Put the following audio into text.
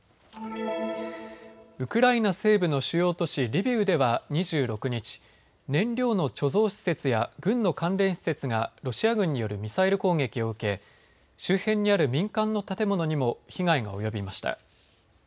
ウクライナ西部の主要都市リビウでは２６日、燃料の貯蔵施設や軍の関連施設がロシア軍によるミサイル攻撃を受け周辺にある民間の建物にも被害が及びました。